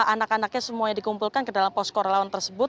anak anaknya semuanya dikumpulkan ke dalam posko relawan tersebut